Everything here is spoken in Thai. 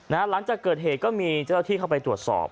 หลังจากเกิดเหตุก็มีเจ้าหน้าที่เข้าไปตรวจสอบ